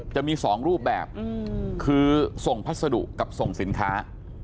จะมี๒รูปแบบคือส่งพัสดุกับส่งสินค้า